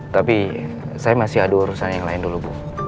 tapi saya masih adu urusan yang lain dulu bu